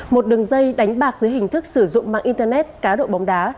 một đường dây đánh bạc dưới hình thức sử dụng mạng internet cá độ bóng đá